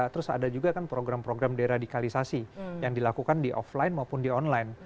terus ada juga kan program program deradikalisasi yang dilakukan di offline maupun di online